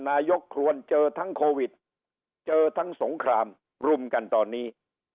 นายกควรเจอทั้งโควิดเจอทั้งสงครามรุมกันตอนนี้